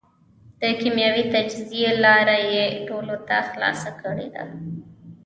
د کېمیاوي تجزیې لاره یې ټولو ته خلاصه کړېده.